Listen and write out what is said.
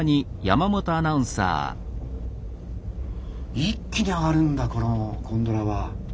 一気に上がるんだこのゴンドラは。